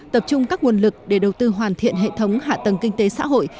tập trung các nguồn lực để đầu tư hoàn thiện hệ thống hạ tầng kinh tế xã hội